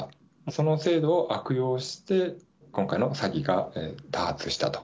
その制度を悪用して、今回の詐欺が多発したと。